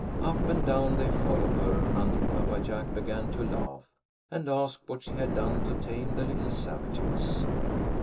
Up and down they followed her, until Papa Jack began to laugh, and ask what she had done to tame the little savages.